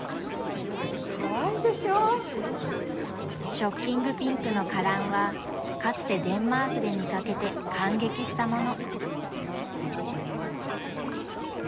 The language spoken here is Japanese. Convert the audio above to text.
ショッキングピンクのカランはかつてデンマークで見かけて感激したもの。